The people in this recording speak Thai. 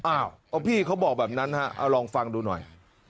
พี่เขาบอกแบบนั้นฮะเอาลองฟังดูหน่อย